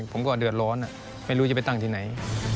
ผมก็เดือดร้อนไม่รู้จะไปตั้งที่ไหน